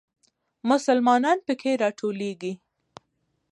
مسلمانان په کې راټولېږي.